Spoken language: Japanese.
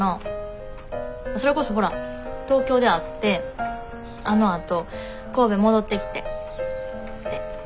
それこそほら東京で会ってあのあと神戸戻ってきてで。